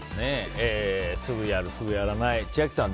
すぐやる、すぐやらない千秋さん